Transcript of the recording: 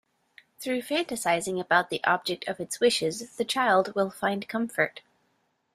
Through fantasizing about the object of its wishes the child will find comfort.